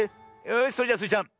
よしそれじゃスイちゃん